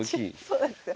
そうなんですよ。